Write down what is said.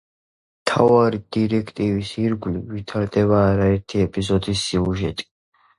მთავარი დირექტივის ირგვლივ ვითარდება არაერთი ეპიზოდის სიუჟეტი.